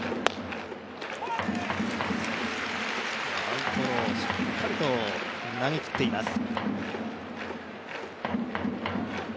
アウトロー、しっかりと投げきっています。